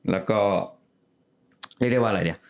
แล้วก็เรียกได้ว่าอะไรเนี่ย